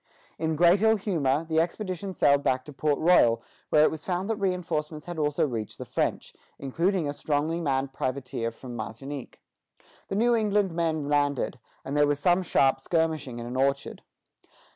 In great ill humor, the expedition sailed back to Port Royal, where it was found that reinforcements had also reached the French, including a strongly manned privateer from Martinique. The New England men landed, and there was some sharp skirmishing in an orchard.